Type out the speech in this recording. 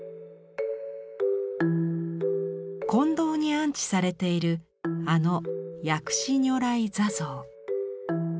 金堂に安置されているあの薬師如来坐像。